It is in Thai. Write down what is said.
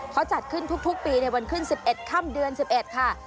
เขาจัดขึ้นทุกปีในวันขึ้น๑๑ค่ำเดือน๑๑ค่ะ